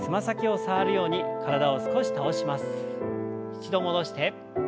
一度戻して。